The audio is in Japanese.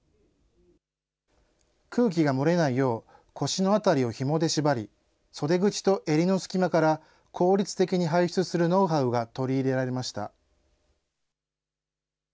空気が漏れないよう、腰の辺りをひもで縛り、袖口と襟の隙間から効率的に排出するノウハウが取り入れられました。